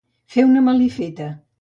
Fer una malifeta.